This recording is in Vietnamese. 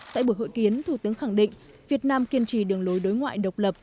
tại buổi hội kiến thủ tướng khẳng định việt nam kiên trì đường lối đối ngoại độc lập